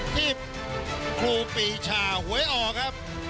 ที่ครูปีชาหวยออกครับ